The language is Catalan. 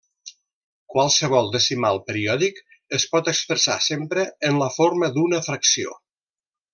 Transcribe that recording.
Qualsevol decimal periòdic es pot expressar sempre en la forma d'una fracció.